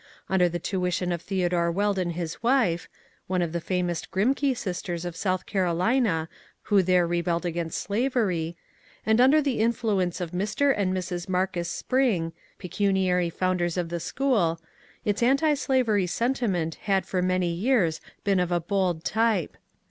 Under the tuition of Theodore Weld and his wife (one of the famous Grimk^ sisters of South Carolina, who there rebelled against slavery), and under the influence of Mr. and Mrs. Marcus Spring, pecuni ary founders of the school, its antislavery sentiment had for many years been of a bold type.